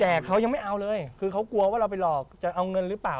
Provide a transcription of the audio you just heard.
แต่เขายังไม่เอาเลยคือเขากลัวว่าเราไปหลอกจะเอาเงินหรือเปล่า